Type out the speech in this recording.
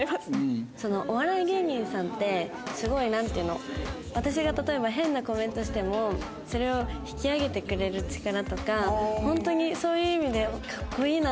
お笑い芸人さんってすごいなんていうの私が例えば変なコメントしてもそれを引き上げてくれる力とかホントにそういう意味でかっこいいなと思って。